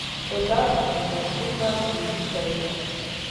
د درد دستور به زګیروی کوي نو.